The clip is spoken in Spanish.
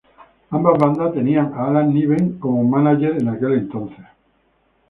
Ambas bandas tenían a Alan Niven como mánager en aquel entonces.